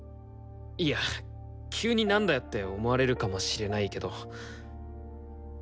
いや急になんだよって思われるかもしれないけど。